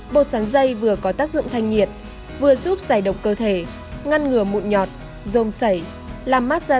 bột sắn dây vừa có tác dụng thanh nhiệt vừa giúp giải độc cơ thể ngăn ngừa mụn nhọt dồn xảy làm mát da